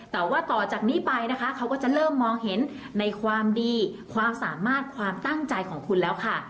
แต่ว่าต่อจากนี้ไปนะคะเขาก็จะเริ่มมองเห็นในความดีความสามารถความตั้งใจของคุณแล้วค่ะ